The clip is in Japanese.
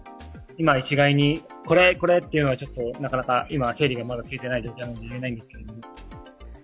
今、一概にこれ、これというのはなかなか整理がついていない状態なので言えないんですけど。